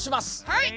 はい。